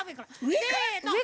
せの！